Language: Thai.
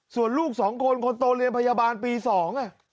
ส่วนลูกสองคนคนโตเรียนพยาบาลปี๒อ่ะ